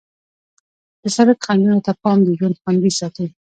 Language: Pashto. د سړک خنډونو ته پام د ژوند خوندي ساتي.